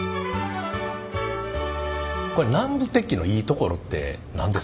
南部鉄器のいいところって何ですか？